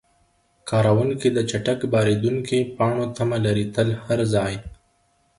کاروونکي د چټک بارېدونکي پاڼو تمه لري تل هر ځای.